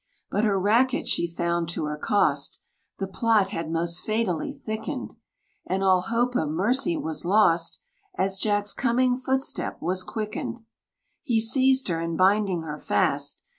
But her racket, she found to her cost, The plot had most fatally thickened; And all hope of mercy was lost, As Jack's coming footstep was quickened. He seized her, and binding her fast.